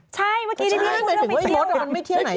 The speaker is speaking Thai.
ใช่เมื่อกี้พี่เรียนถึงว่าไอ้บ๊ตมันไม่เที่ยวไหน